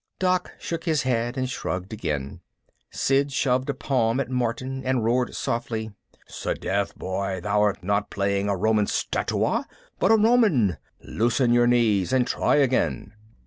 Doc shook his head and shrugged again. Sid shoved a palm at Martin and roared softly, "'Sdeath, boy, thou'rt not playing a Roman statua but a Roman! Loosen your knees and try again."